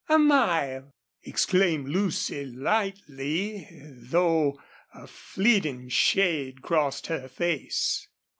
"A mile!" exclaimed Lucy, lightly, though a fleeting shade crossed her face.